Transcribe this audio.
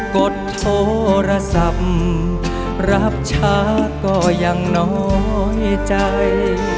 กดโทรศัพท์รับช้าก็ยังน้อยใจ